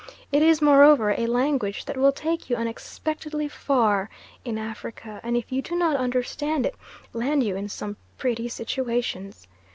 It is, moreover, a language that will take you unexpectedly far in Africa, and if you do not understand it, land you in some pretty situations.